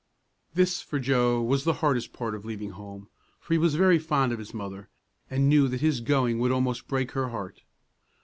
This, for Joe, was the hardest part of leaving home; for he was very fond of his mother, and knew that his going would almost break her heart.